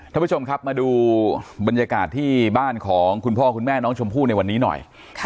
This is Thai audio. ท่านผู้ชมครับมาดูบรรยากาศที่บ้านของคุณพ่อคุณแม่น้องชมพู่ในวันนี้หน่อย